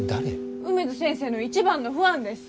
梅津先生の一番のファンです。